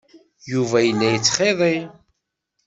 Yuba yella yettxiḍi.